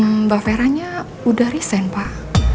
mbak veranya udah resign pak